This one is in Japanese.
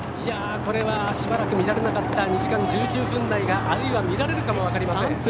これはしばらく見られなかった２時間１９分台があるいは見られるかもわかりません。